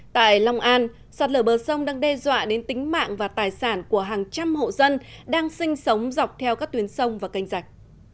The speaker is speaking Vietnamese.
tại long an sạt lở bờ sông đang đe dọa đến tính mạng và tài sản của hàng trăm hộ dân đang sinh sống dọc theo các tuyến sông và canh rạch